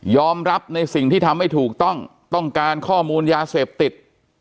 รับในสิ่งที่ทำไม่ถูกต้องต้องการข้อมูลยาเสพติด